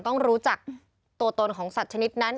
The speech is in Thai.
ต้องรู้จักตัวตนของสัตว์ชนิดนั้น